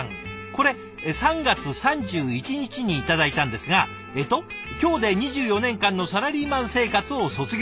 これ３月３１日に頂いたんですがえっと「今日で２４年間のサラリーマン生活を卒業。